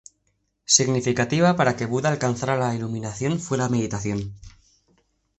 Significativa para que Buda alcanzara la iluminación fue la meditación.